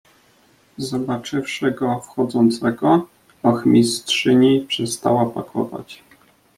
"Zobaczywszy go wchodzącego, ochmistrzyni przestała pakować."